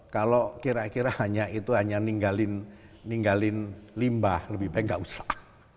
kalau kira kira hanya itu hanya ninggalin limbah lebih baik nggak usah